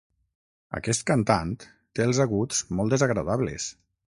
Aquest cantant té els aguts molt desagradables.